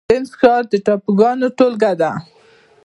وینز ښار د ټاپوګانو ټولګه ده